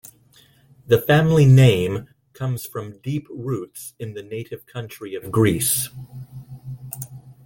The family name comes from deep roots in the native country of Greece.